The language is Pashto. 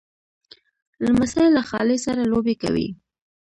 لمسی له خالې سره لوبې کوي.